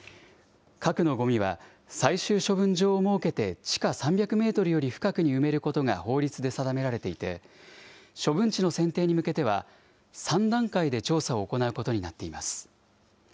核のごみは、最終処分場を設けて地下３００メートルより深くに埋めることが法律で定められていて、処分地の選定に向けては、３段階で調査を行うことになっています。